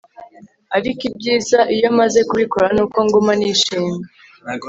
ariko ibyiza iyo maze kubikora nuko nguma nishimye